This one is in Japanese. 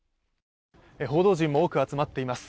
報道陣も多く集まっています。